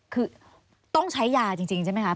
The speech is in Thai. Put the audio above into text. คือต้องใช้ยาจริงใช่ไหมคะ